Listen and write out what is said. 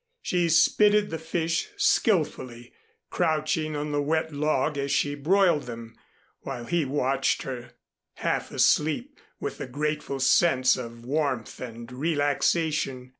She spitted the fish skillfully, crouching on the wet log as she broiled them, while he watched her, half asleep with the grateful sense of warmth and relaxation.